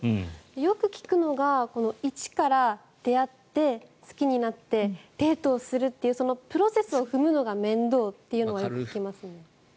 よく聞くのが１から出会って、好きになってデートをするというプロセスを踏むのが面倒というのを聞きますね。